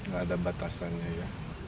gak ada batasannya ya